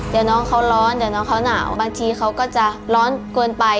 เดี๋ยวน้องเขาร้อนเดี๋ยวน้องเขาหนาวบางทีเขาก็จะร้อนเกินไป